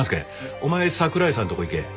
お前櫻井さんとこ行け。